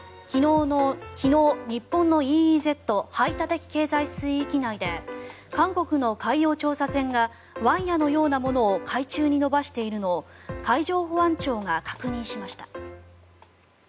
昨日、日本のＥＥＺ・排他的経済水域内で韓国の海洋調査船がワイヤのようなものを海中に延ばしているのを海上保安庁が確認しました。